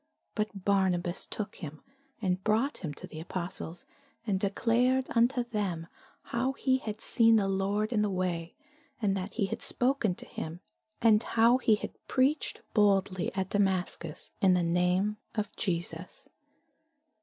But Barnabas took him, and brought him to the apostles, and declared unto them how he had seen the Lord in the way, and that he had spoken to him, and how he had preached boldly at Damascus in the name of Jesus.